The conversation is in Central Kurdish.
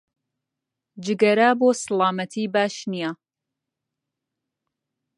جگەرە بۆ سڵامەتی باش نییە